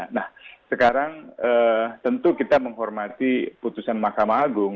nah sekarang tentu kita menghormati putusan mahkamah agung